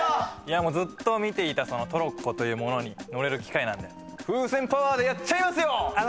ずっと見ていたトロッコという物に乗れる機会なんで風船パワーでやっちゃいますよ！